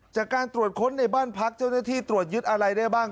จากการตรวจค้นในบ้านพักเจ้าหน้าที่ตรวจยึดอะไรได้บ้าง